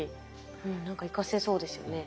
うん何か生かせそうですよね。